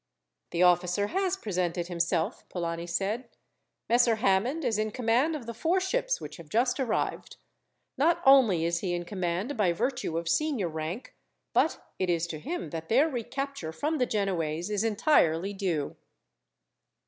"The officer has presented himself," Polani said. "Messer Hammond is in command of the four ships which have just arrived. Not only is he in command by virtue of senior rank, but it is to him that their recapture from the Genoese is entirely due."